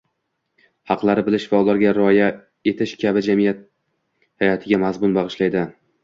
Haqlarni bilish va ularga rioya etish kishi jamiyat hayotiga mazmun bag‘ishlaydi